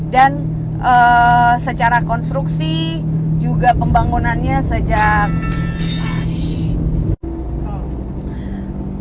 dan secara konstruksi juga pembangunannya sejak